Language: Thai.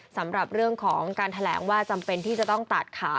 สำหรับเรื่องของการแถลงว่าจำเป็นที่จะต้องตัดขา